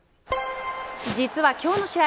実は今日の試合